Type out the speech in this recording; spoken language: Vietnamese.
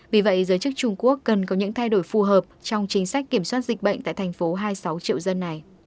vì vậy giới chức trung quốc cần có những thay đổi phù hợp trong chính sách kiểm soát dịch bệnh tại thành phố hai mươi sáu triệu dân này